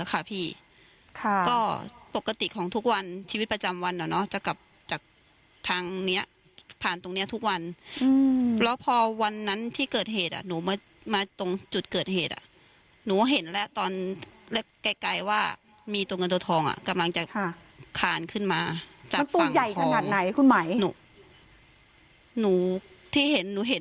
ค่ะพี่ค่ะก็ปกติของทุกวันชีวิตประจำวันอ่ะเนอะจะกลับจากทางเนี้ยผ่านตรงเนี้ยทุกวันแล้วพอวันนั้นที่เกิดเหตุอ่ะหนูมาตรงจุดเกิดเหตุอ่ะหนูเห็นแล้วตอนแรกไกลไกลว่ามีตัวเงินตัวทองอ่ะกำลังจะขานขึ้นมาจากมันตัวใหญ่ขนาดไหนคุณหมายหนูหนูที่เห็นหนูเห็น